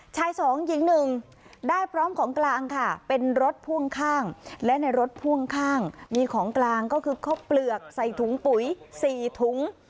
ชายสองหญิงหนึ่งได้พร้อมของกลางค่ะเป็นรถพ่วงข้างและในรถพ่วงข้างมีของกลางก็คือข้าวเปลือกใส่ถุงปุ๋ย๔ถุง